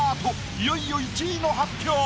いよいよ１位の発表。